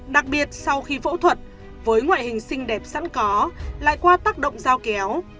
đặc biệt sau khi phẫu thuật với ngoại hình xinh đẹp sẵn có lại qua tác động giao kéo